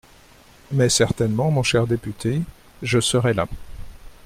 Mais certainement, mon cher député, je serai là.